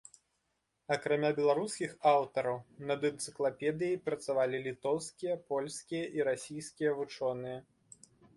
Акрамя беларускіх аўтараў, над энцыклапедыяй працавалі літоўскія, польскія і расійскія вучоныя.